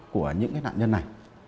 của những cái nạn nhân này